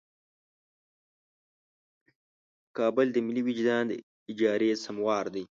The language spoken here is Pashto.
کابل د ملي وجدان د اجارې سموار دی.